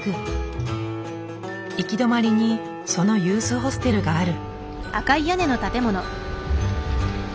行き止まりにそのユースホステルがある。